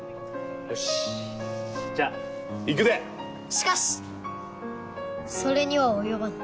しかしそれには及ばぬ。